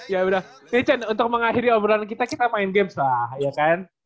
yaudah ini cian untuk mengakhiri omoran kita kita main game lah ya kan